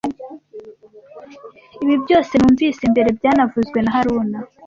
Ibi byose numvise mbere byavuzwe na haruna